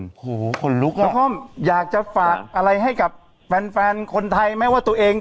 โอ้โหคนลุกอ่ะพี่หนุ่มอยากจะฝากอะไรให้กับแฟนคนไทยแม้ว่าตัวเอง